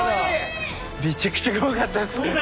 めちゃくちゃ怖かったっす。